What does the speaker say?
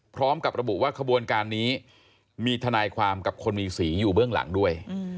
พร้อมกับระบุว่าขบวนการนี้มีทนายความกับคนมีสีอยู่เบื้องหลังด้วย